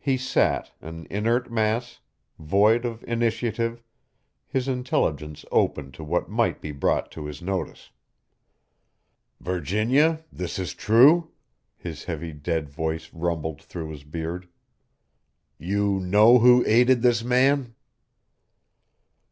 He sat, an inert mass, void of initiative, his intelligence open to what might be brought to his notice. "Virginia, this is true?" his heavy, dead voice rumbled through his beard. "You know who aided this man?"